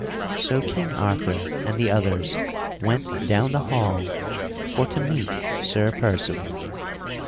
So King Arthur and the others went down the hall for to meet Sir Percival.